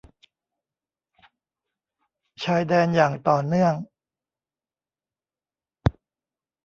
ชายแดนอย่างต่อเนื่อง